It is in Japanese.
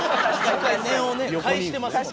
念をね介してますもんね。